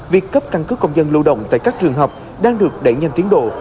việc cấp căn cứ công dân lưu động tại các trường học đang được đẩy nhanh tiến độ